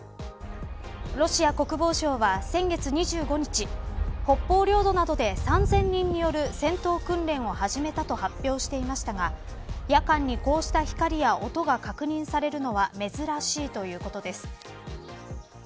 ロシア国防省は、先月２５日北方領土などで３０００人による戦闘訓練を始めたと発表していましたが夜間にこうした光や音が確認されるのは珍しいということです。